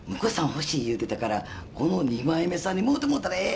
欲しい言うてたからこの二枚目さんにもろうてもらったらええ。